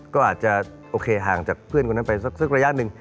ก็อาจจะโอเคห่างจากเพื่อนคนนั้นไปสักระยะหนึ่ง